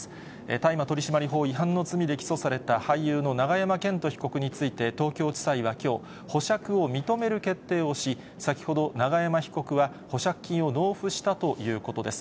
大麻取締法違反の罪で起訴された俳優の永山絢斗被告について、東京地裁はきょう、保釈を認める決定をし、先ほど、永山被告は保釈金を納付したということです。